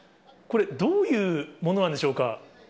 これ、どういうものなんでしょう